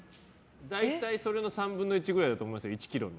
大体それの３分の１ぐらいだと思いますけど。